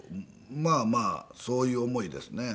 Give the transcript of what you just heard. まあまあそういう思いですね。